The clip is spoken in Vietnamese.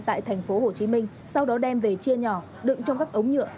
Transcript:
tại thành phố hồ chí minh sau đó đem về chia nhỏ đựng trong các ống nhựa